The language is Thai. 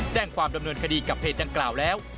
แจ้งความดำเนินคดีกับเพจดังกล่าวแล้ว